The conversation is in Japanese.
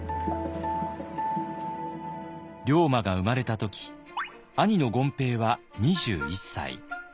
龍馬が生まれた時兄の権平は２１歳。